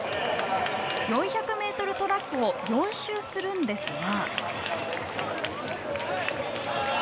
４００メートルトラックを４周するんですが。